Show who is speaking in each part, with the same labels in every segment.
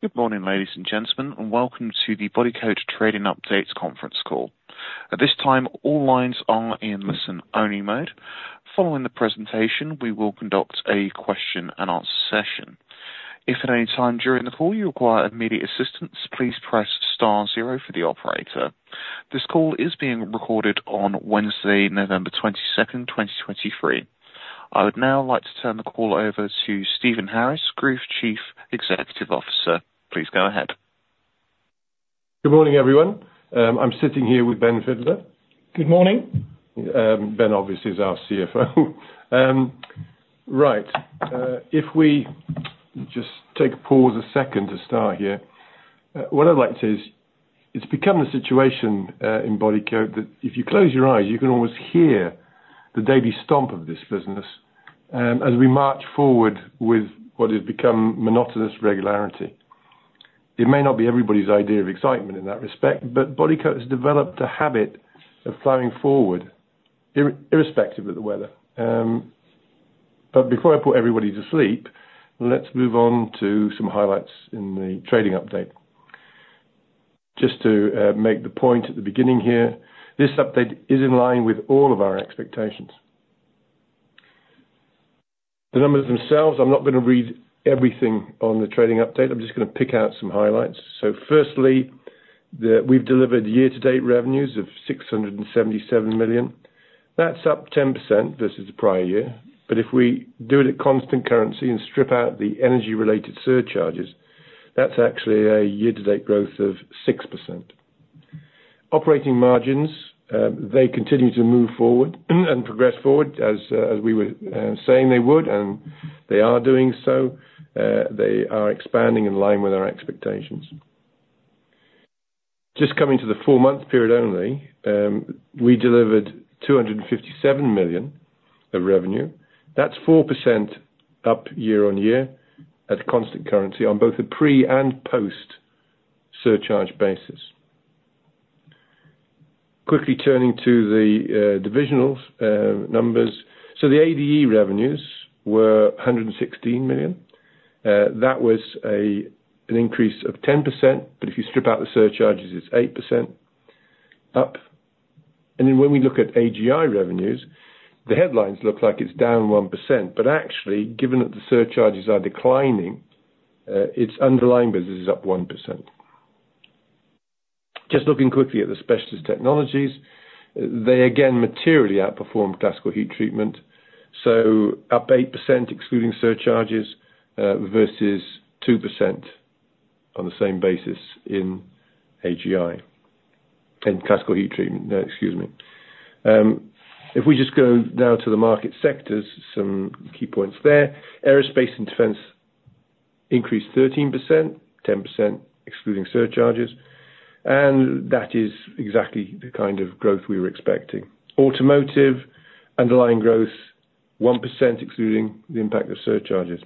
Speaker 1: Good morning, ladies and gentlemen, and welcome to the Bodycote Trading Updates conference call. At this time, all lines are in listen-only mode. Following the presentation, we will conduct a question and answer session. If at any time during the call you require immediate assistance, please press star zero for the operator. This call is being recorded on Wednesday, November 22, 2023. I would now like to turn the call over to Stephen Harris, Group Chief Executive Officer. Please go ahead.
Speaker 2: Good morning, everyone. I'm sitting here with Ben Fidler.
Speaker 3: Good morning.
Speaker 2: Ben obviously is our CFO. Right. If we just take a pause a second to start here, what I'd like to say is, it's become the situation in Bodycote, that if you close your eyes, you can almost hear the daily stomp of this business, as we march forward with what has become monotonous regularity. It may not be everybody's idea of excitement in that respect, but Bodycote has developed a habit of flying forward irrespective of the weather. But before I put everybody to sleep, let's move on to some highlights in the trading update. Just to make the point at the beginning here, this update is in line with all of our expectations. The numbers themselves, I'm not going to read everything on the trading update. I'm just going to pick out some highlights. So firstly, we've delivered year-to-date revenues of 677 million. That's up 10% versus the prior year, but if we do it at constant currency and strip out the energy-related surcharges, that's actually a year-to-date growth of 6%. Operating margins, they continue to move forward and progress forward as, as we were, saying they would, and they are doing so. They are expanding in line with our expectations. Just coming to the four-month period only, we delivered 257 million of revenue. That's 4% up year-on-year at constant currency on both a pre and post-surcharge basis. Quickly turning to the, divisionals, numbers. So the ADE revenues were 116 million. That was an increase of 10%, but if you strip out the surcharges, it's 8% up. Then when we look at AGI revenues, the headlines look like it's down 1%, but actually, given that the surcharges are declining, its underlying business is up 1%. Just looking quickly at the Specialist Technologies, they again materially outperformed Classical Heat Treatment, so up 8% excluding surcharges, versus 2% on the same basis in AGI, in Classical Heat Treatment, excuse me. If we just go now to the market sectors, some key points there. Aerospace and defense increased 13%, 10% excluding surcharges, and that is exactly the kind of growth we were expecting. Automotive, underlying growth, 1%, excluding the impact of surcharges.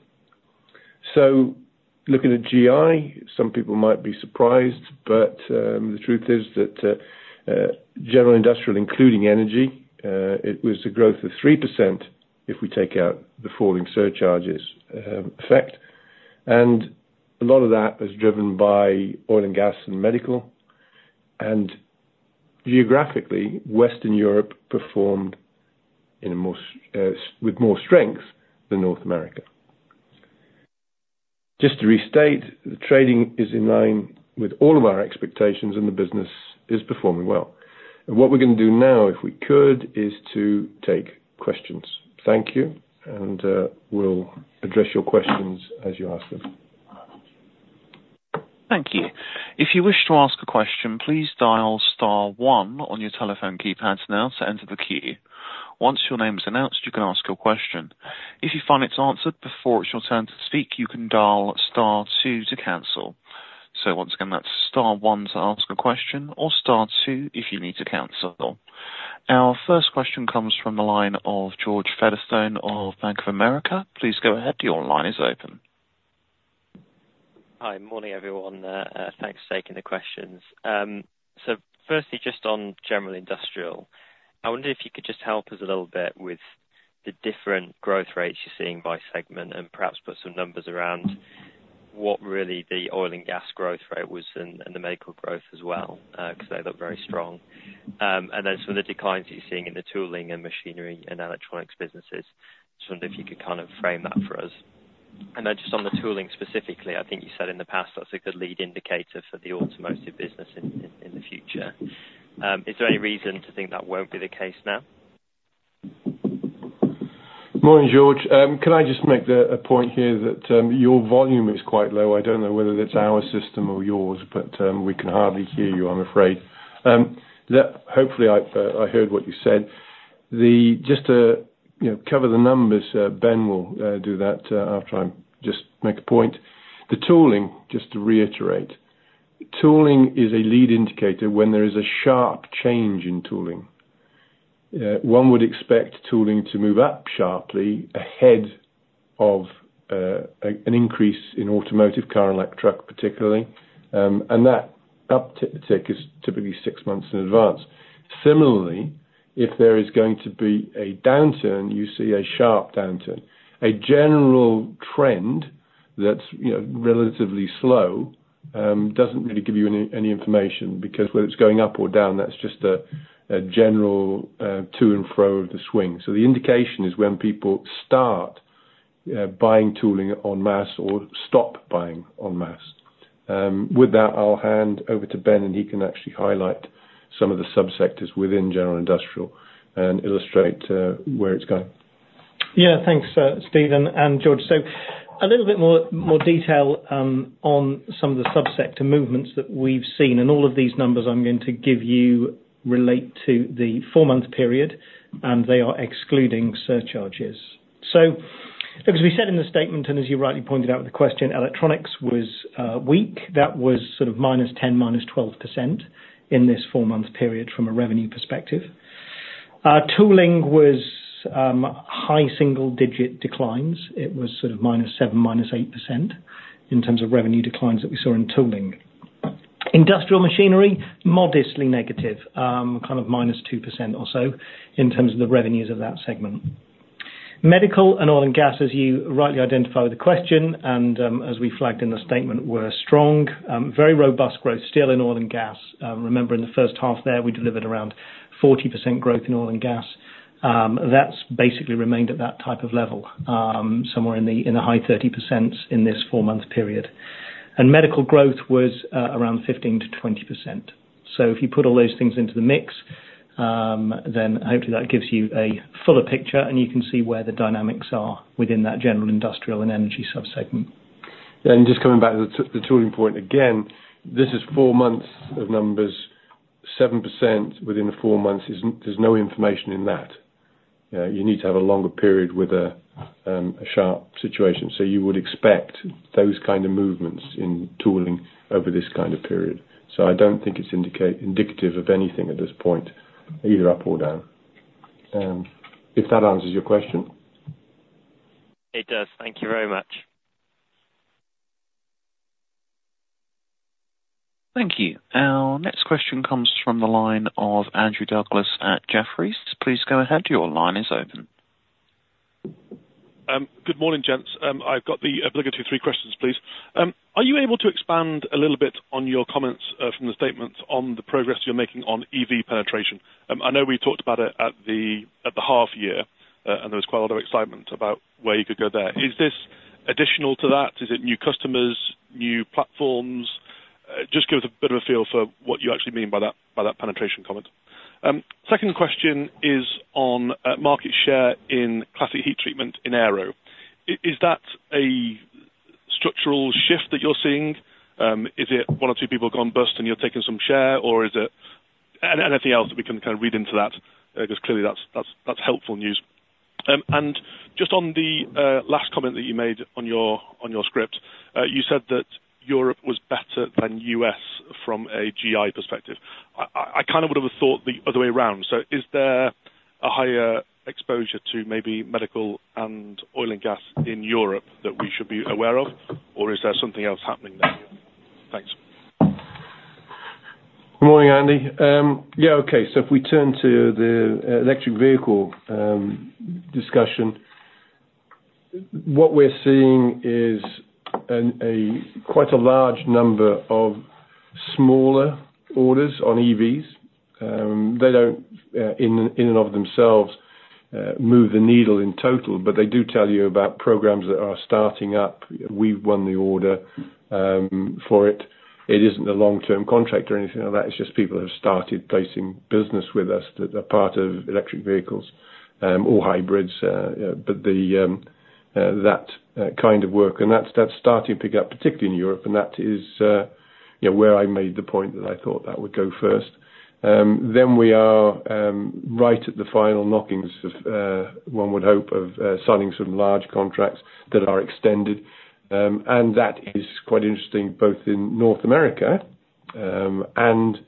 Speaker 2: So looking at GI, some people might be surprised, but the truth is that General Industrial, including energy, it was a growth of 3% if we take out the falling surcharges effect, and a lot of that was driven by oil and gas and medical. Geographically, Western Europe performed more so with more strength than North America. Just to restate, the trading is in line with all of our expectations and the business is performing well. What we're going to do now, if we could, is to take questions. Thank you, and we'll address your questions as you ask them.
Speaker 1: Thank you. If you wish to ask a question, please dial star one on your telephone keypads now to enter the queue. Once your name is announced, you can ask your question. If you find it's answered before it's your turn to speak, you can dial star two to cancel. So once again, that's star one to ask a question or star two if you need to cancel. Our first question comes from the line of George Featherstone of Bank of America. Please go ahead. Your line is open.
Speaker 4: Hi. Morning, everyone. Thanks for taking the questions. So firstly, just on General Industrial, I wonder if you could just help us a little bit with the different growth rates you're seeing by segment, and perhaps put some numbers around what really the oil and gas growth rate was and the medical growth as well, because they look very strong. And then some of the declines you're seeing in the tooling and machinery and electronics businesses, just wonder if you could kind of frame that for us. And then just on the tooling specifically, I think you said in the past, that's a good lead indicator for the automotive business in the future. Is there any reason to think that won't be the case now?
Speaker 2: Morning, George. Can I just make a point here that your volume is quite low. I don't know whether it's our system or yours, but we can hardly hear you, I'm afraid. That... Hopefully, I heard what you said. Just to, you know, cover the numbers, Ben will do that after I just make a point. The tooling, just to reiterate, tooling is a lead indicator when there is a sharp change in tooling. One would expect tooling to move up sharply ahead of an increase in automotive, car and light truck, particularly, and that uptick is typically six months in advance.... Similarly, if there is going to be a downturn, you see a sharp downturn. A general trend that's, you know, relatively slow, doesn't really give you any information, because whether it's going up or down, that's just a general to and fro of the swing. So the indication is when people start buying tooling en masse or stop buying en masse. With that, I'll hand over to Ben, and he can actually highlight some of the sub-sectors within General Industrial and illustrate where it's going.
Speaker 3: Yeah, thanks, Steve and George. So a little bit more detail on some of the sub-sector movements that we've seen, and all of these numbers I'm going to give you relate to the four-month period, and they are excluding surcharges. So as we said in the statement, and as you rightly pointed out in the question, electronics was weak. That was sort of 10%-12% in this four-month period from a revenue perspective. Tooling was high single digit declines. It was sort of 7%-8% in terms of revenue declines that we saw in tooling. Industrial machinery, modestly negative, kind of 2% or so in terms of the revenues of that segment. Medical and oil and gas, as you rightly identified with the question, and as we flagged in the statement, were strong. Very robust growth still in oil and gas. Remember in the first half there, we delivered around 40% growth in oil and gas. That's basically remained at that type of level, somewhere in the high 30s% in this four-month period. And medical growth was around 15%-20%. So if you put all those things into the mix, then hopefully that gives you a fuller picture, and you can see where the dynamics are within that General Industrial and energy sub-segment.
Speaker 2: Just coming back to the tooling point again, this is four months of numbers. 7% within the four months is, there's no information in that. You need to have a longer period with a sharp situation, so you would expect those kind of movements in tooling over this kind of period. So I don't think it's indicative of anything at this point, either up or down. If that answers your question?
Speaker 3: It does. Thank you very much.
Speaker 1: Thank you. Our next question comes from the line of Andrew Douglas at Jefferies. Please go ahead. Your line is open.
Speaker 5: Good morning, gents. I've got the obligatory three questions, please. Are you able to expand a little bit on your comments from the statements on the progress you're making on EV penetration? I know we talked about it at the half year, and there was quite a lot of excitement about where you could go there. Is this additional to that? Is it new customers, new platforms? Just give us a bit of a feel for what you actually mean by that, by that penetration comment. Second question is on market share in classic heat treatment in aero. Is that a structural shift that you're seeing? Is it one or two people have gone bust and you're taking some share, or is it anything else that we can kind of read into that? Because clearly that's helpful news. And just on the last comment that you made on your script, you said that Europe was better than U.S. from a GI perspective. I kind of would have thought the other way around. So is there a higher exposure to maybe medical and oil and gas in Europe that we should be aware of, or is there something else happening there? Thanks.
Speaker 2: Good morning, Andy. Yeah, okay. So if we turn to the electric vehicle discussion, what we're seeing is a quite large number of smaller orders on EVs. They don't in and of themselves move the needle in total, but they do tell you about programs that are starting up. We've won the order for it. It isn't a long-term contract or anything like that. It's just people have started placing business with us that are part of electric vehicles or hybrids. But that kind of work, and that's starting to pick up, particularly in Europe, and that is, you know, where I made the point that I thought that would go first. Then we are right at the final knockings of one would hope of signing some large contracts that are extended, and that is quite interesting, both in North America and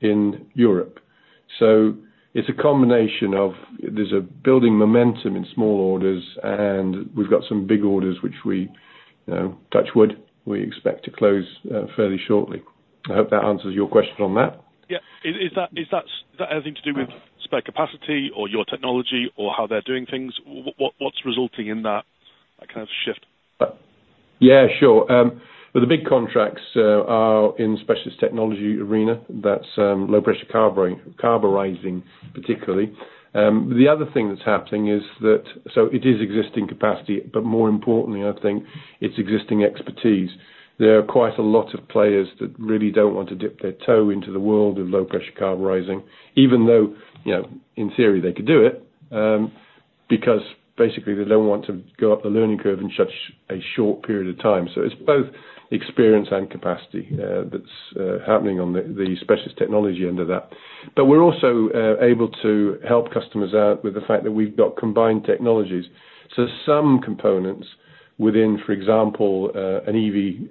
Speaker 2: in Europe. So it's a combination of, there's a building momentum in small orders, and we've got some big orders which we touch wood we expect to close fairly shortly. I hope that answers your question on that.
Speaker 5: Yeah. Is that anything to do with spare capacity or your technology or how they're doing things? What’s resulting in that kind of shift?
Speaker 2: Yeah, sure. The big contracts are in specialist technology arena. That's low pressure carburizing, particularly. The other thing that's happening is that... So it is existing capacity, but more importantly, I think, it's existing expertise. There are quite a lot of players that really don't want to dip their toe into the world of low pressure carburizing, even though, you know, in theory, they could do it, because basically, they don't want to go up the learning curve in such a short period of time. So it's both experience and capacity that's happening on the specialist technology under that. But we're also able to help customers out with the fact that we've got combined technologies. So some components within, for example, an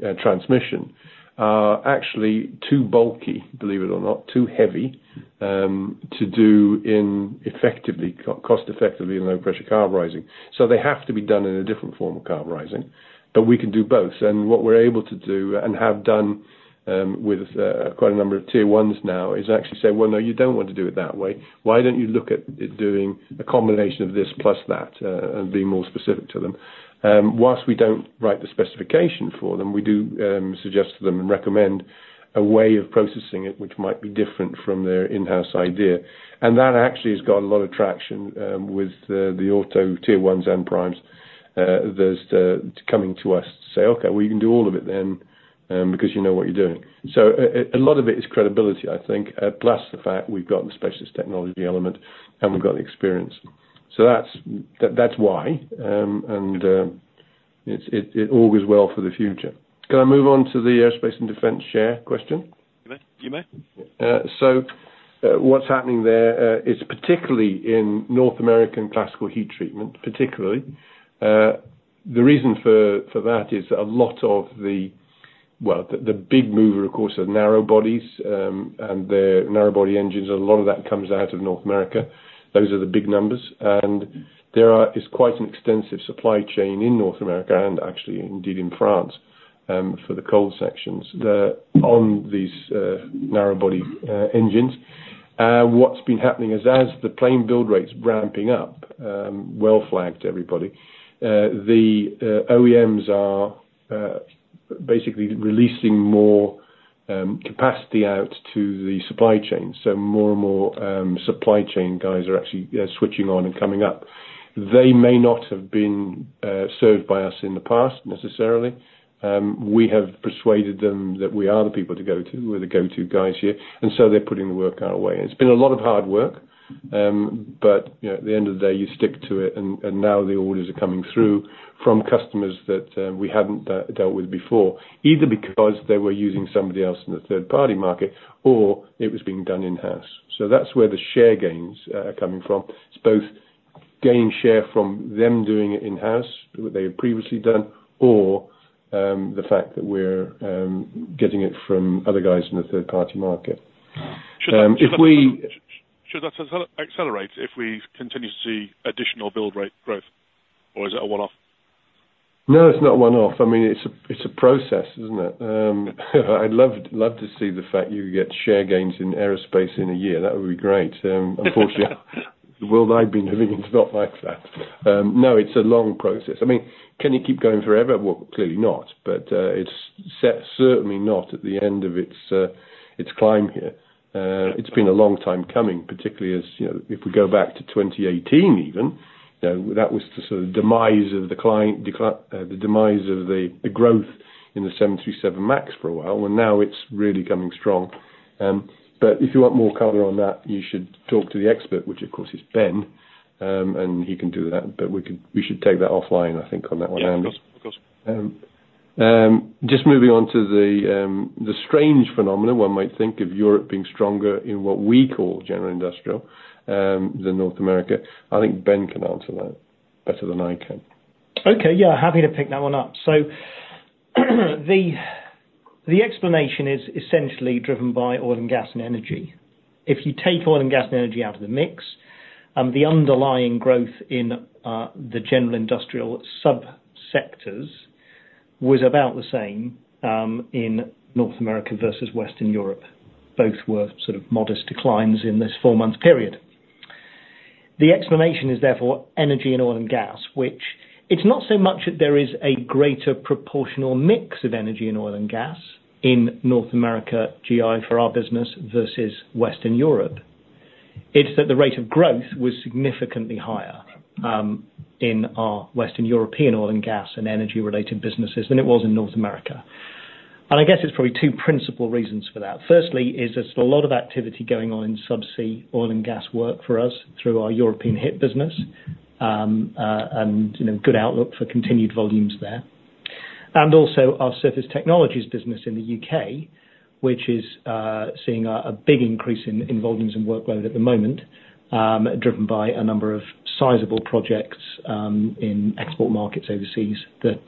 Speaker 2: EV transmission, are actually too bulky, believe it or not, too heavy, to do in effectively, cost-effectively in low pressure carburizing. So they have to be done in a different form of carburizing, but we can do both. And what we're able to do, and have done with quite a number of Tier ones now, is actually say, "Well, no, you don't want to do it that way. Why don't you look at it, doing a combination of this plus that?" and being more specific to them. While we don't write the specification for them, we do suggest to them and recommend a way of processing it, which might be different from their in-house idea. And that actually has got a lot of traction with the auto Tier ones and primes. There's coming to us to say, "Okay, well, you can do all of it then, because you know what you're doing." So a lot of it is credibility, I think, plus the fact we've got the specialist technology element, and we've got the experience. So that's why, and it's all going well for the future. Can I move on to the aerospace and defense share question?
Speaker 3: You may. You may.
Speaker 2: So what's happening there is particularly in North American Classical heat treatment, particularly, the reason for that is a lot of the... Well, the big mover, of course, are narrow bodies, and their narrow body engines, a lot of that comes out of North America. Those are the big numbers, and there is quite an extensive supply chain in North America, and actually, indeed, in France, for the cold sections on these narrow body engines. What's been happening is as the plane build rate's ramping up, well flagged everybody, the OEMs are basically releasing more capacity out to the supply chain. So more and more supply chain guys are actually switching on and coming up. They may not have been served by us in the past necessarily. We have persuaded them that we are the people to go to. We're the go-to guys here, and so they're putting the work our way. It's been a lot of hard work, but, you know, at the end of the day, you stick to it, and, and now the orders are coming through from customers that we hadn't dealt with before, either because they were using somebody else in the third-party market or it was being done in-house. So that's where the share gains are coming from. It's both gaining share from them doing it in-house, what they had previously done, or, the fact that we're getting it from other guys in the third-party market. If we-
Speaker 3: Should that accelerate if we continue to see additional build rate growth, or is it a one-off?
Speaker 2: No, it's not a one-off. I mean, it's a, it's a process, isn't it? I'd love, love to see the fact you get share gains in aerospace in a year. That would be great. Unfortunately, the world I've been living in is not like that. No, it's a long process. I mean, can you keep going forever? Well, clearly not, but, it's certainly not at the end of its climb here. It's been a long time coming, particularly as you know, if we go back to 2018 even, you know, that was the sort of demise of the growth in the 737 MAX for a while, and now it's really coming strong. But if you want more color on that, you should talk to the expert, which of course is Ben, and he can do that, but we could, we should take that offline, I think, on that one.
Speaker 3: Yeah, of course. Of course.
Speaker 2: Just moving on to the strange phenomenon, one might think of Europe being stronger in what we call General Industrial than North America. I think Ben can answer that better than I can.
Speaker 3: Okay. Yeah, happy to pick that one up. So, the explanation is essentially driven by oil and gas and energy. If you take oil and gas and energy out of the mix, the underlying growth in the General Industrial subsectors was about the same in North America versus Western Europe. Both were sort of modest declines in this four-month period. The explanation is therefore energy and oil and gas, which it's not so much that there is a greater proportional mix of energy in oil and gas in North America, GI for our business, versus Western Europe. It's that the rate of growth was significantly higher in our Western European oil and gas and energy-related businesses than it was in North America. And I guess it's probably two principal reasons for that. Firstly, there is a lot of activity going on in subsea oil and gas work for us through our European HIP business. You know, good outlook for continued volumes there. And also our surface technologies business in the U.K., which is seeing a big increase in volumes and workload at the moment, driven by a number of sizable projects in export markets overseas, that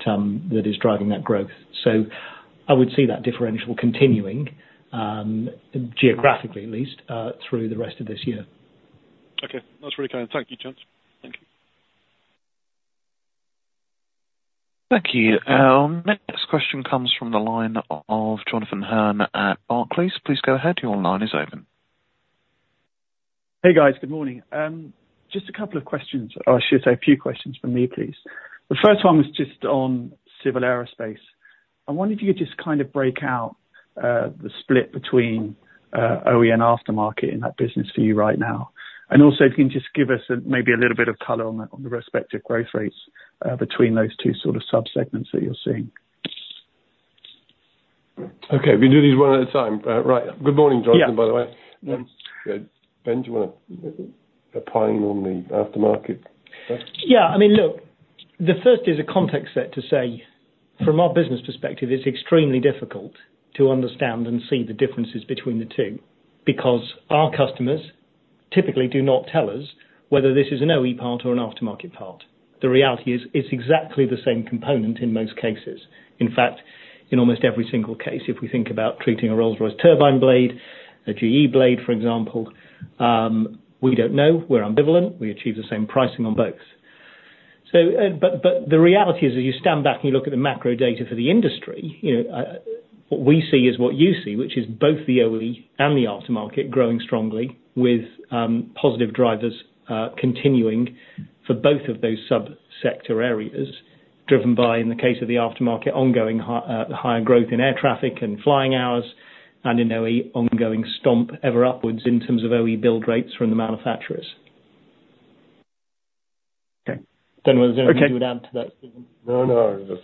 Speaker 3: is driving that growth. So I would see that differential continuing, geographically at least, through the rest of this year. Okay. That's really kind. Thank you, gents. Thank you.
Speaker 1: Thank you. Our next question comes from the line of Jonathan Hurn at Barclays. Please go ahead. Your line is open.
Speaker 6: Hey, guys, good morning. Just a couple of questions, or I should say a few questions from me, please. The first one was just on civil aerospace. I wonder if you could just kind of break out the split between OE and aftermarket in that business for you right now. And also, if you can just give us maybe a little bit of color on the respective growth rates between those two sort of subsegments that you're seeing.
Speaker 2: Okay. We do these one at a time. Right. Good morning, Jonathan-
Speaker 6: Yeah.
Speaker 2: -by the way. Ben, do you wanna opine on the aftermarket?
Speaker 3: Yeah. I mean, look, the first is a context set to say, from our business perspective, it's extremely difficult to understand and see the differences between the two, because our customers typically do not tell us whether this is an OE part or an aftermarket part. The reality is, it's exactly the same component in most cases. In fact, in almost every single case, if we think about treating a Rolls-Royce turbine blade, a GE blade, for example, we don't know, we're ambivalent. We achieve the same pricing on both. But the reality is, as you stand back and you look at the macro data for the industry, you know, what we see is what you see, which is both the OE and the aftermarket growing strongly with positive drivers continuing for both of those sub-sector areas, driven by, in the case of the aftermarket, ongoing higher growth in air traffic and flying hours, and in OE, ongoing stomp ever upwards in terms of OE build rates from the manufacturers.
Speaker 6: Okay.
Speaker 3: Don't know if there's anything you would add to that, Ben?
Speaker 6: No, no.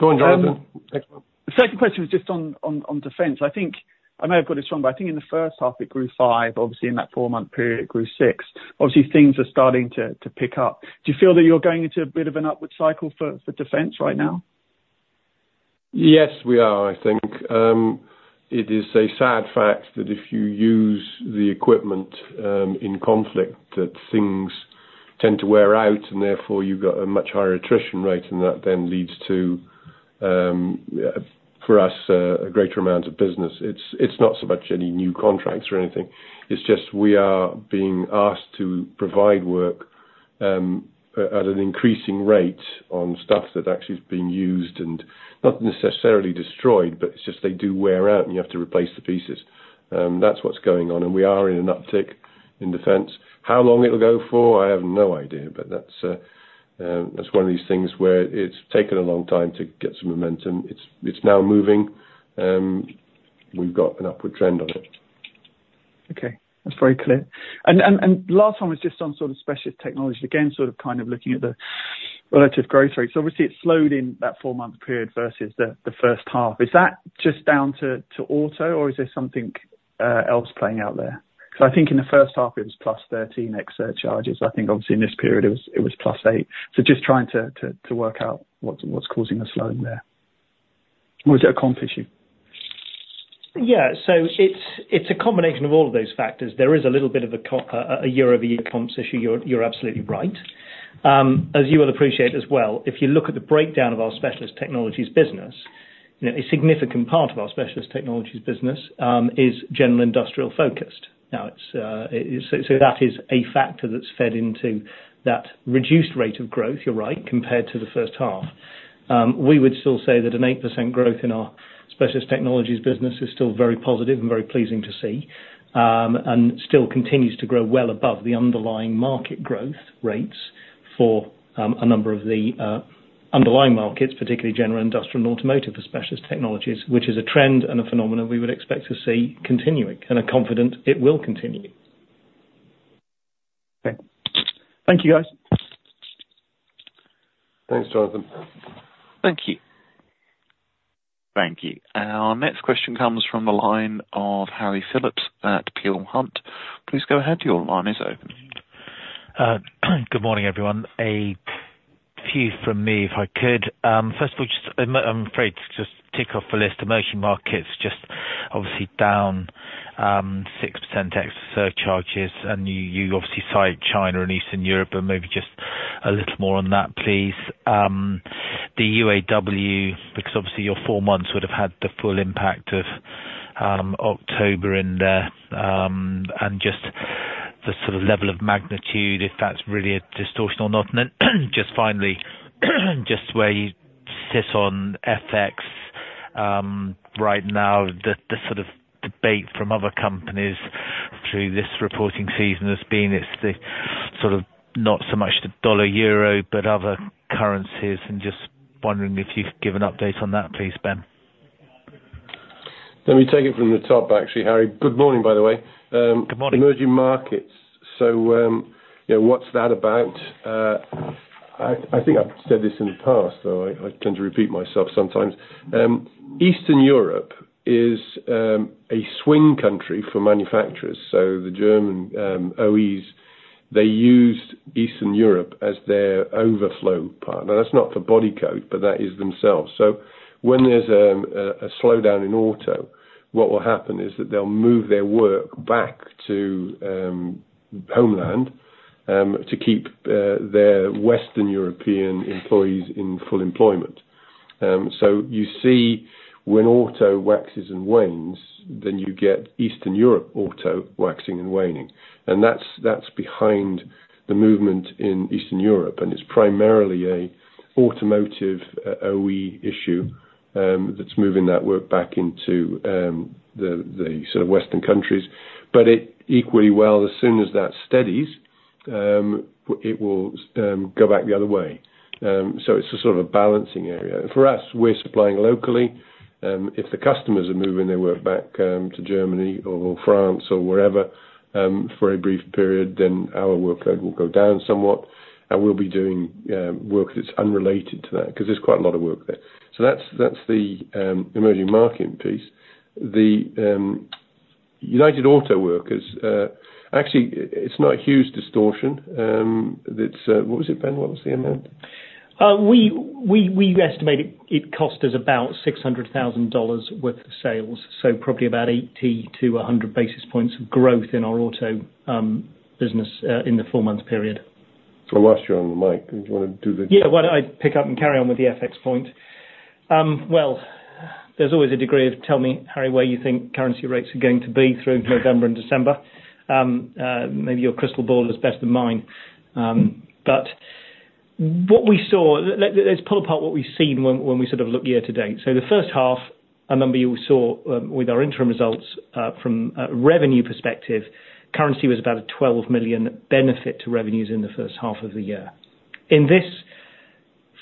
Speaker 2: Go on, Jonathan. Next one.
Speaker 6: The second question was just on defense. I think I may have got this wrong, but I think in the first half, it grew five. Obviously, in that four-month period, it grew six. Obviously, things are starting to pick up. Do you feel that you're going into a bit of an upward cycle for defense right now?
Speaker 2: Yes, we are, I think. It is a sad fact that if you use the equipment in conflict, that things tend to wear out, and therefore you've got a much higher attrition rate, and that then leads to, for us, a greater amount of business. It's, it's not so much any new contracts or anything. It's just we are being asked to provide work at an increasing rate on stuff that actually has been used and not necessarily destroyed, but it's just they do wear out, and you have to replace the pieces. That's what's going on, and we are in an uptick in defense. How long it'll go for, I have no idea, but that's one of these things where it's taken a long time to get some momentum. It's, it's now moving. We've got an upward trend on it.
Speaker 6: Okay. That's very clear. Last one was just on sort of specialist technology, again, sort of kind of looking at the relative growth rate. So obviously it slowed in that four-month period versus the first half. Is that just down to auto, or is there something else playing out there? Because I think in the first half it was +13 extra charges. I think obviously in this period it was +8. So just trying to work out what's causing the slowing there. Or is it a comp issue?
Speaker 3: Yeah, so it's a combination of all of those factors. There is a little bit of a year-over-year comps issue. You're absolutely right. As you will appreciate as well, if you look at the breakdown of our Specialist technologies business, you know, a significant part of our Specialist Technologies business is General Industrial focused. Now, it's so that is a factor that's fed into that reduced rate of growth, you're right, compared to the first half. We would still say that an 8% growth in our Specialist Technologies business is still very positive and very pleasing to see, and still continues to grow well above the underlying market growth rates for a number of the underlying markets, particularly General Industrial and automotive for Specialist Technologies, which is a trend and a phenomenon we would expect to see continuing, and are confident it will continue.
Speaker 6: Okay. Thank you, guys.
Speaker 2: Thanks, Jonathan.
Speaker 6: Thank you.
Speaker 1: Thank you. Our next question comes from the line of Harry Phillips at Peel Hunt. Please go ahead. Your line is open.
Speaker 7: Good morning, everyone. A few from me, if I could. First of all, just I'm afraid to just tick off the list, Emerging Markets just obviously down 6% ex surcharges, and you obviously cite China and Eastern Europe, but maybe just a little more on that, please. The UAW, because obviously your four months would have had the full impact of October in there, and just the sort of level of magnitude, if that's really a distortion or not. Then just finally, just where you sit on FX right now, the sort of debate from other companies through this reporting season has been, it's the sort of not so much the dollar/euro, but other currencies, and just wondering if you could give an update on that, please, Ben?
Speaker 2: Let me take it from the top, actually, Harry. Good morning, by the way.
Speaker 7: Good morning.
Speaker 2: Emerging Markets. So, you know, what's that about? I think I've said this in the past, so I tend to repeat myself sometimes. Eastern Europe is a swing country for manufacturers. So the German OEs, they used Eastern Europe as their overflow partner. That's not for Bodycote, but that is themselves. So when there's a slowdown in auto, what will happen is that they'll move their work back to homeland, to keep their Western European employees in full employment. So you see, when auto waxes and wanes, then you get Eastern Europe auto waxing and waning, and that's behind the movement in Eastern Europe, and it's primarily a automotive OE issue, that's moving that work back into the sort of Western countries. But it equally well, as soon as that steadies, it will go back the other way. So it's a sort of a balancing area. For us, we're supplying locally, if the customers are moving their work back to Germany or France or wherever, for a brief period, then our workload will go down somewhat, and we'll be doing work that's unrelated to that, because there's quite a lot of work there. So that's the Emerging Markets piece. The United Auto Workers, actually, it's not a huge distortion, that's... What was it, Ben? What was the amount?
Speaker 3: We estimate it cost us about $600,000 worth of sales, so probably about 80-100 basis points of growth in our auto business in the four-month period.
Speaker 2: I lost you on the mic. Do you want to do the-
Speaker 3: Yeah. Why don't I pick up and carry on with the FX point? Well, there's always a degree of, tell me, Harry, where you think currency rates are going to be through November and December? Maybe your crystal ball is better than mine. But what we saw, let's pull apart what we've seen when we sort of look year to date. So the first half, a number you saw, with our interim results, from a revenue perspective, currency was about a 12 million benefit to revenues in the first half of the year. In this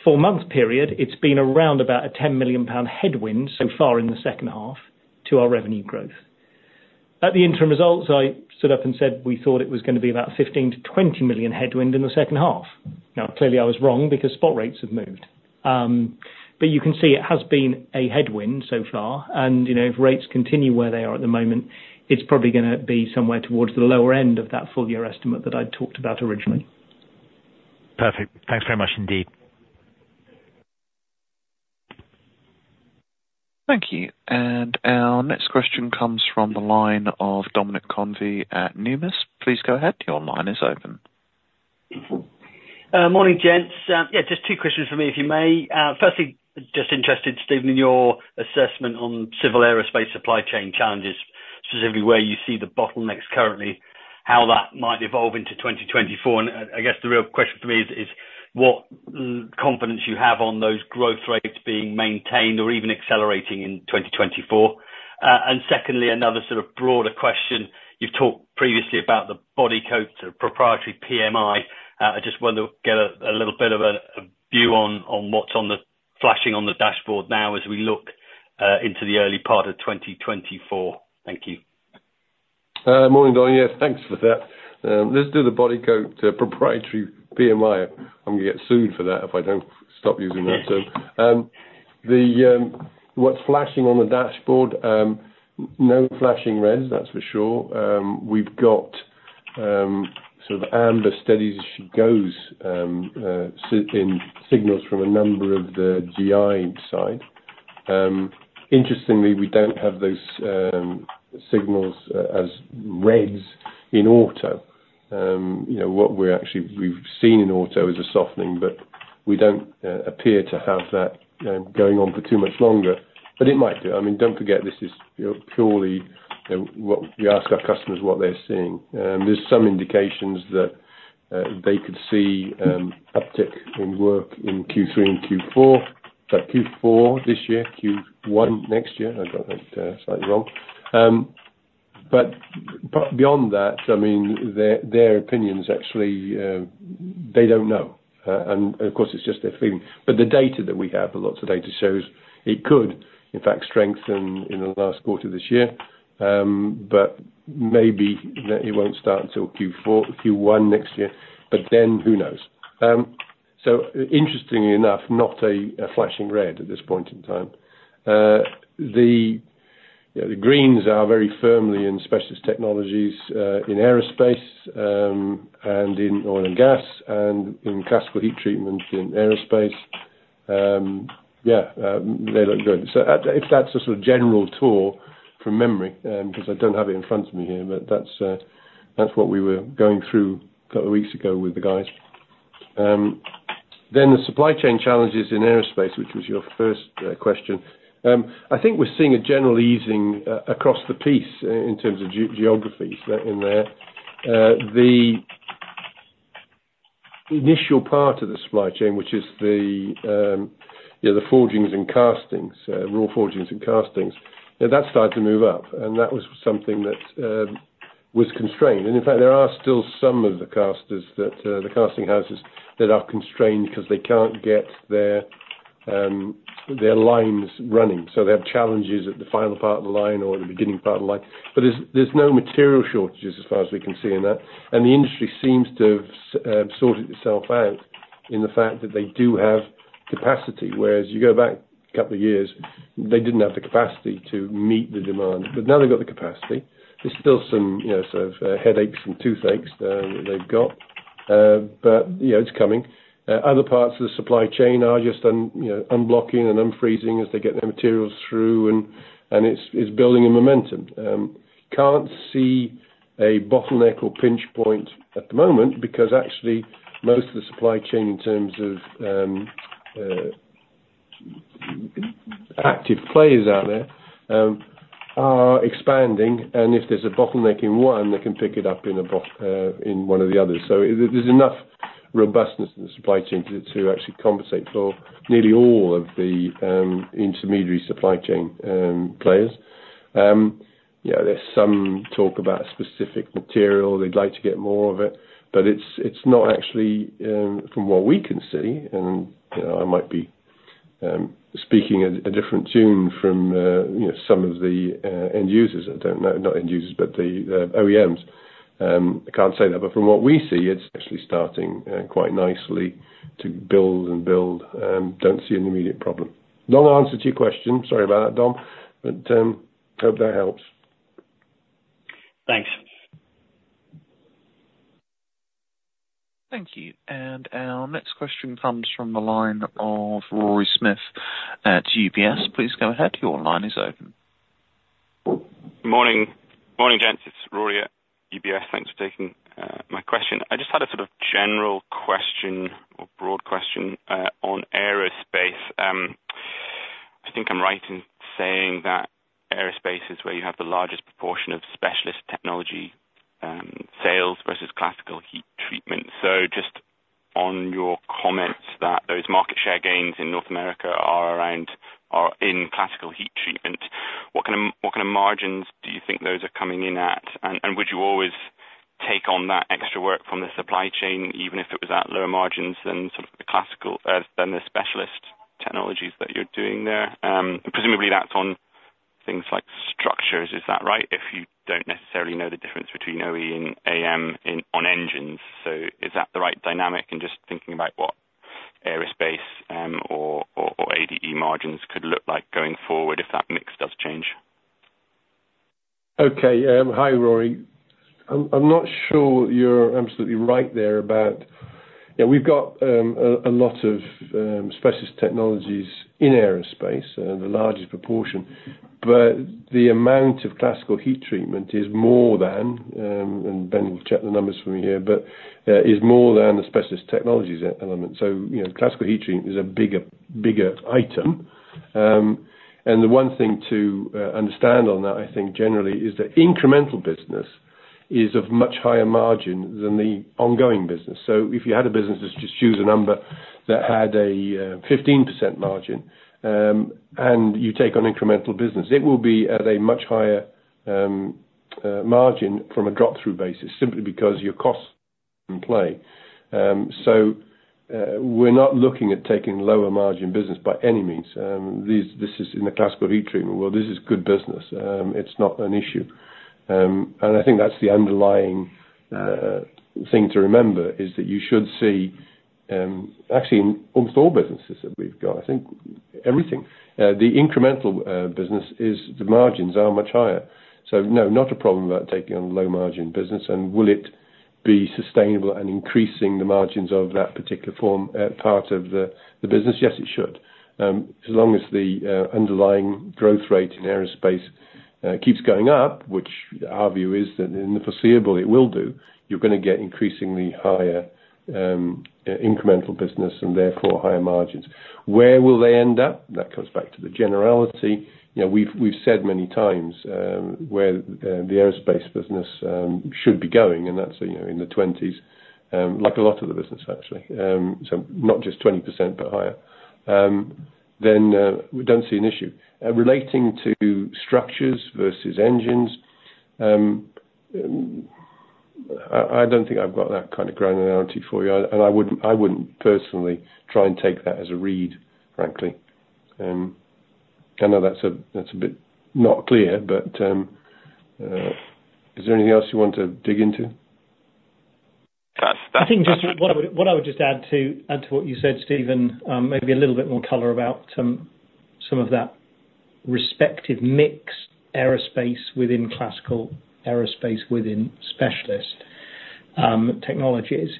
Speaker 3: four-month period, it's been around about a 10 million pound headwind so far in the second half to our revenue growth. At the interim results, I stood up and said we thought it was gonna be about 15-20 million headwind in the second half. Now, clearly, I was wrong because spot rates have moved. But you can see it has been a headwind so far, and, you know, if rates continue where they are at the moment, it's probably gonna be somewhere towards the lower end of that full year estimate that I talked about originally.
Speaker 7: Perfect. Thanks very much indeed.
Speaker 1: Thank you. Our next question comes from the line of Dominic Convey at Numis. Please go ahead. Your line is open.
Speaker 8: Morning, gents. Yeah, just two questions for me, if you may. Firstly, just interested, Stephen, in your assessment on civil aerospace supply chain challenges, specifically where you see the bottlenecks currently, how that might evolve into 2024. And I guess the real question for me is what confidence you have on those growth rates being maintained or even accelerating in 2024? And secondly, another sort of broader question: You've talked previously about the Bodycote sort of proprietary PMI. I just wanted to get a little bit of a view on what's flashing on the dashboard now, as we look into the early part of 2024. Thank you.
Speaker 2: Morning, Dom. Yes, thanks for that. Let's do the Bodycote proprietary PMI. I'm gonna get sued for that if I don't stop using that. So, what's flashing on the dashboard, no flashing reds, that's for sure. We've got sort of amber steady as she goes, in signals from a number of the GI side. Interestingly, we don't have those signals as reds in auto. You know, what we've seen in auto is a softening, but we don't appear to have that going on for too much longer, but it might do. I mean, don't forget, this is, you know, purely, you know, what we ask our customers what they're seeing. There's some indications that they could see uptick in work in Q3 and Q4, but Q4 this year, Q1 one next year. I got that slightly wrong. But beyond that, I mean, their opinion is actually they don't know. And of course, it's just their feeling. But the data that we have, the lots of data shows it could, in fact, strengthen in the last quarter of this year, but maybe it won't start until Q4-Q1 next year, but then who knows? So interestingly enough, not a flashing red at this point in time. You know, the greens are very firmly in Specialist Technologies in aerospace, and in oil and gas, and in classical heat treatment in aerospace. Yeah, they look good. So if that's a sort of general tour from memory, because I don't have it in front of me here, but that's what we were going through a couple of weeks ago with the guys. Then the supply chain challenges in aerospace, which was your first question. I think we're seeing a general easing across the piece in terms of geographies in there. The initial part of the supply chain, which is, you know, the forgings and castings, raw forgings and castings, now that's started to move up, and that was something that was constrained. And in fact, there are still some of the casters, the casting houses, that are constrained because they can't get their lines running. So they have challenges at the final part of the line or the beginning part of the line, but there's no material shortages as far as we can see in that. The industry seems to have sorted itself out in the fact that they do have capacity, whereas you go back a couple of years, they didn't have the capacity to meet the demand. But now they've got the capacity. There's still some, you know, sort of headaches and toothaches that they've got, but, you know, it's coming. Other parts of the supply chain are just unblocking and unfreezing as they get their materials through, and it's building a momentum. Can't see a bottleneck or pinch point at the moment because actually most of the supply chain, in terms of, active players out there, are expanding, and if there's a bottleneck in one, they can pick it up in one of the others. So there's enough robustness in the supply chain to actually compensate for nearly all of the intermediary supply chain players. Yeah, there's some talk about specific material. They'd like to get more of it, but it's not actually, from what we can see, and, you know, I might be speaking a different tune from, you know, some of the end users. I don't know, not end users, but the OEMs. I can't say that, but from what we see, it's actually starting quite nicely to build and build. Don't see an immediate problem. Long answer to your question, sorry about that, Dom, but hope that helps.
Speaker 8: Thanks.
Speaker 1: Thank you. Our next question comes from the line of Rory Smith at UBS. Please go ahead. Your line is open.
Speaker 3: Morning. Morning, gents. It's Rory Smith-...
Speaker 9: Thanks for taking my question. I just had a sort of general question or broad question on aerospace. I think I'm right in saying that aerospace is where you have the largest proportion of specialist technology sales versus classical heat treatment. So just on your comments that those market share gains in North America are in classical heat treatment, what kind of margins do you think those are coming in at? And would you always take on that extra work from the supply chain, even if it was at lower margins than sort of the classical than the Specialist Sechnologies that you're doing there? Presumably, that's on things like structures, is that right? If you don't necessarily know the difference between OE and AM on engines, so is that the right dynamic? Just thinking about what aerospace or ADE margins could look like going forward if that mix does change.
Speaker 2: Okay. Hi, Rory. I'm not sure you're absolutely right there about... Yeah, we've got a lot of Specialist Technologies in aerospace, the largest proportion, but the amount of classical heat treatment is more than, and Ben will check the numbers for me here, but, is more than the Specialist Technologies element. So, you know, classical heat treatment is a bigger, bigger item. And the one thing to understand on that, I think generally, is that incremental business is of much higher margin than the ongoing business. So if you had a business, let's just choose a number, that had a 15% margin, and you take on incremental business, it will be at a much higher margin from a drop-through basis, simply because your costs in play. So, we're not looking at taking lower margin business by any means. These, this is in the Classical heat treatment. Well, this is good business. It's not an issue. And I think that's the underlying thing to remember, is that you should see. Actually, in almost all businesses that we've got, I think everything, the incremental business is, the margins are much higher. So no, not a problem about taking on low-margin business. And will it be sustainable and increasing the margins of that particular form, part of the, the business? Yes, it should. As long as the underlying growth rate in aerospace keeps going up, which our view is that in the foreseeable, it will do, you're gonna get increasingly higher incremental business and therefore higher margins. Where will they end up? That comes back to the generality. You know, we've said many times where the aerospace business should be going, and that's, you know, in the 20s, like a lot of the business, actually. So not just 20%, but higher. Then we don't see an issue. Relating to structures versus engines, I don't think I've got that kind of granularity for you, and I wouldn't personally try and take that as a read, frankly. I know that's a bit not clear, but is there anything else you want to dig into?
Speaker 9: That's, that's-
Speaker 3: I think just what I would add to what you said, Stephen, maybe a little bit more color about some of that respective mix aerospace within classical, aerospace within specialist, technologies.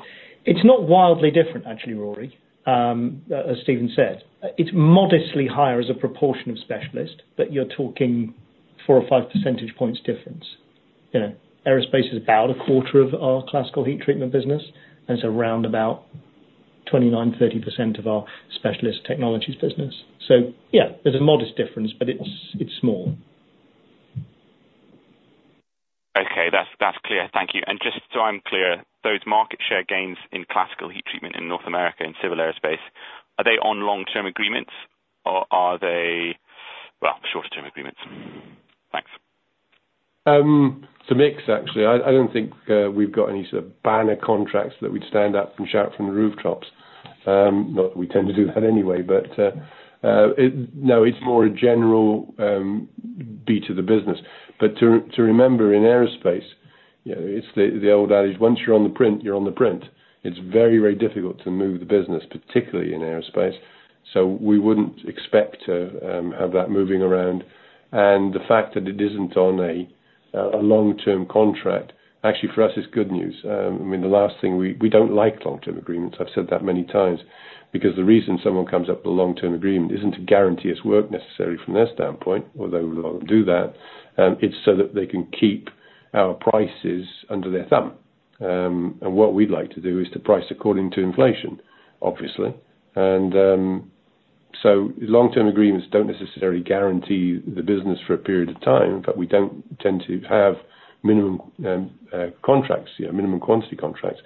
Speaker 3: It's not wildly different, actually, Rory. As Stephen said, it's modestly higher as a proportion of specialist, but you're talking four or five percentage points difference. You know, aerospace is about a quarter of our classical heat treatment business, and it's around about 29, 30% of our Specialist Technologies business. So yeah, there's a modest difference, but it's small.
Speaker 9: Okay. That's, that's clear. Thank you. Just so I'm clear, those market share gains in Classical heat treatment in North America and civil aerospace, are they on long-term agreements, or are they, well, shorter-term agreements? Thanks.
Speaker 2: It's a mix, actually. I don't think we've got any sort of banner contracts that we'd stand up and shout from the rooftops. Not that we tend to do that anyway, but no, it's more a general beat of the business. But to remember in aerospace, you know, it's the old adage, once you're on the print, you're on the print. It's very, very difficult to move the business, particularly in aerospace. So we wouldn't expect to have that moving around, and the fact that it isn't on a long-term contract, actually, for us, it's good news. I mean, the last thing we don't like long-term agreements. I've said that many times, because the reason someone comes up with a long-term agreement isn't to guarantee us work necessarily from their standpoint, although we'll do that, it's so that they can keep our prices under their thumb. And what we'd like to do is to price according to inflation, obviously. And so long-term agreements don't necessarily guarantee the business for a period of time, but we don't tend to have minimum, contracts, you know, minimum quantity contracts.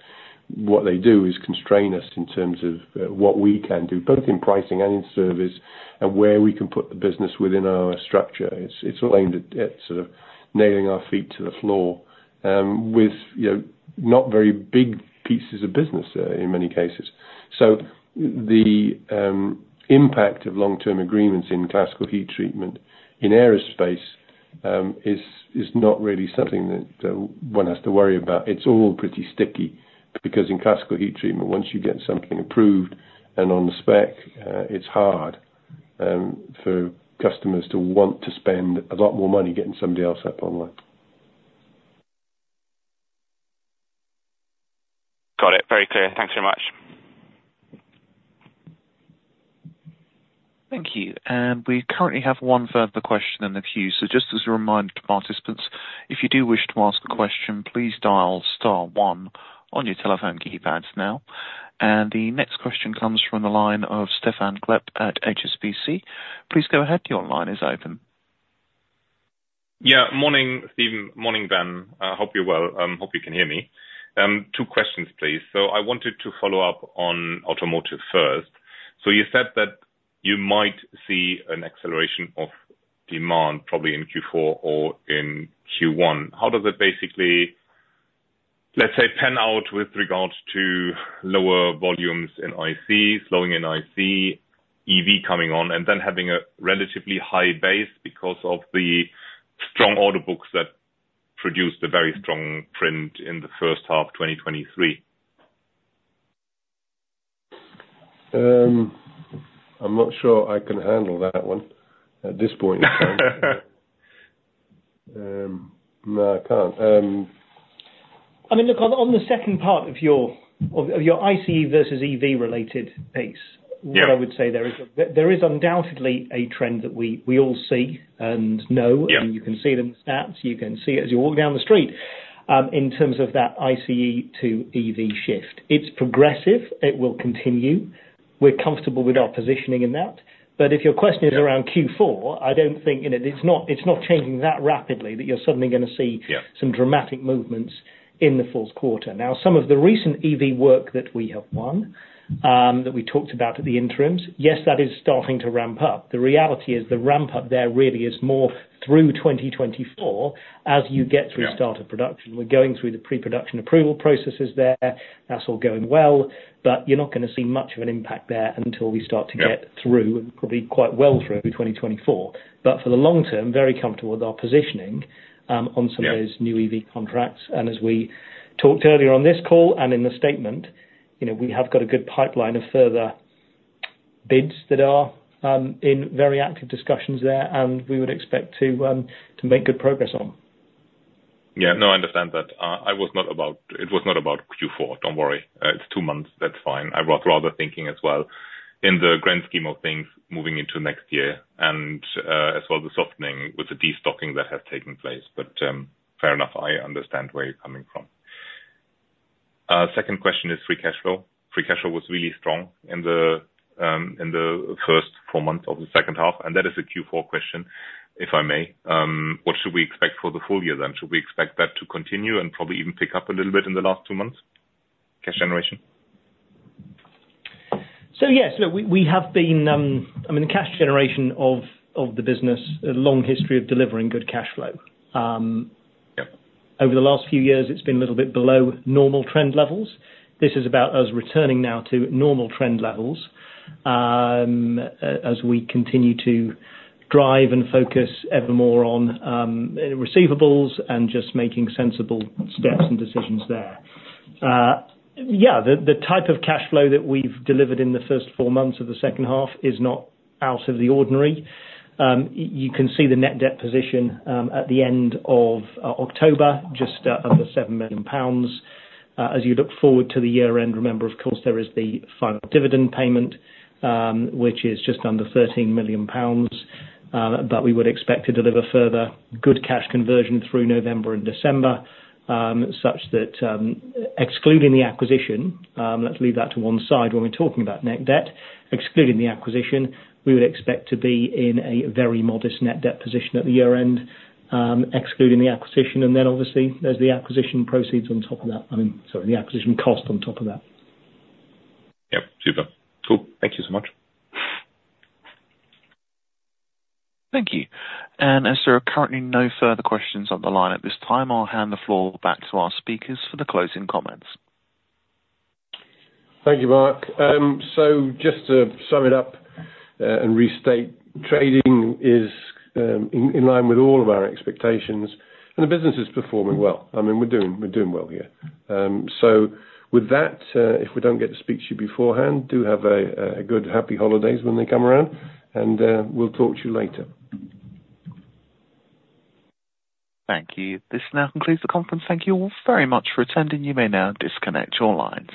Speaker 2: What they do is constrain us in terms of, what we can do, both in pricing and in service, and where we can put the business within our structure. It's all aimed at sort of nailing our feet to the floor, with, you know, not very big pieces of business, in many cases. So the impact of long-term agreements in classical heat treatment in aerospace is, is not really something that one has to worry about. It's all pretty sticky, because in classical heat treatment, once you get something approved and on the spec, it's hard for customers to want to spend a lot more money getting somebody else up online.
Speaker 9: Got it. Very clear. Thanks very much. ...
Speaker 1: Thank you. We currently have one further question in the queue. Just as a reminder to participants, if you do wish to ask a question, please dial star one on your telephone keypads now. The next question comes from the line of Stefan Gaeb at HSBC. Please go ahead. Your line is open.
Speaker 10: Yeah, morning, Stephen. Morning, Ben. I hope you're well. Hope you can hear me. 2 questions, please. So I wanted to follow up on automotive first. So you said that you might see an acceleration of demand, probably in Q4 or in Q1. How does it basically, let's say, pan out with regards to lower volumes in ICE, slowing in ICE, EV coming on, and then having a relatively high base because of the strong order books that produced a very strong trend in the first half of 2023?
Speaker 2: I'm not sure I can handle that one at this point in time. No, I can't.
Speaker 3: I mean, look, on the second part of your ICE versus EV related piece-
Speaker 10: Yeah.
Speaker 3: What I would say there is undoubtedly a trend that we all see and know.
Speaker 10: Yeah.
Speaker 3: And you can see it in the stats, you can see it as you walk down the street, in terms of that ICE to EV shift. It's progressive. It will continue. We're comfortable with our positioning in that. But if your question is around Q4, I don't think, you know, it's not, it's not changing that rapidly, that you're suddenly gonna see-
Speaker 10: Yeah
Speaker 3: some dramatic movements in the fourth quarter. Now, some of the recent EV work that we have won, that we talked about at the interims, yes, that is starting to ramp up. The reality is the ramp up there really is more through 2024, as you get-
Speaker 10: Yeah
Speaker 3: -through startup production. We're going through the pre-production approval processes there. That's all going well, but you're not gonna see much of an impact there until we start to get-
Speaker 10: Yeah
Speaker 3: -through, and probably quite well through 2024. But for the long term, very comfortable with our positioning, on some-
Speaker 10: Yeah
Speaker 3: Of those new EV contracts. As we talked earlier on this call and in the statement, you know, we have got a good pipeline of further bids that are in very active discussions there, and we would expect to to make good progress on.
Speaker 10: Yeah, no, I understand that. It was not about Q4. Don't worry. It's two months. That's fine. I was rather thinking as well, in the grand scheme of things, moving into next year and as well as the softening with the destocking that has taken place. But fair enough, I understand where you're coming from. Second question is free cash flow. Free cash flow was really strong in the first four months of the second half, and that is a Q4 question, if I may. What should we expect for the full year then? Should we expect that to continue and probably even pick up a little bit in the last two months? Cash generation.
Speaker 3: So yes, look, we have been. I mean, the cash generation of the business a long history of delivering good cash flow.
Speaker 10: Yep.
Speaker 3: Over the last few years, it's been a little bit below normal trend levels. This is about us returning now to normal trend levels, as we continue to drive and focus ever more on, receivables and just making sensible steps and decisions there. Yeah, the type of cash flow that we've delivered in the first four months of the second half is not out of the ordinary. You can see the net debt position, at the end of October, just under 7 million pounds. As you look forward to the year end, remember, of course, there is the final dividend payment, which is just under 13 million pounds. But we would expect to deliver further good cash conversion through November and December, such that, excluding the acquisition, let's leave that to one side when we're talking about net debt. Excluding the acquisition, we would expect to be in a very modest net debt position at the year end, excluding the acquisition, and then obviously, there's the acquisition proceeds on top of that. I mean, sorry, the acquisition cost on top of that.
Speaker 10: Yep. Super. Cool. Thank you so much.
Speaker 1: Thank you. As there are currently no further questions on the line at this time, I'll hand the floor back to our speakers for the closing comments.
Speaker 2: Thank you, Mark. So just to sum it up and restate, trading is in line with all of our expectations, and the business is performing well. I mean, we're doing well here. So with that, if we don't get to speak to you beforehand, do have a good, happy holidays when they come around, and we'll talk to you later.
Speaker 1: Thank you. This now concludes the conference. Thank you all very much for attending. You may now disconnect your lines.